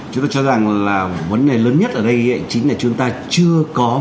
chúng ta cho rằng là vấn đề lớn nhất ở đây chính là chúng ta chưa có